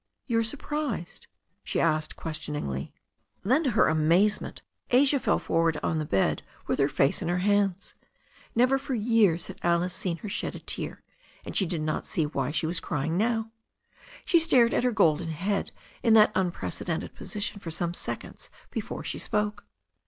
"You are surprised?" she said questioningly. , THE STORY OF A NEW ZEALAND RIVER 395 Then to her amazement Asia fell forward on the bed with her face in her hands. Never for years had Alice seen her shed a tear, and she did not see why she was cry ing now. She stared at her golden head in that unprece dented position for some seconds before she spoke.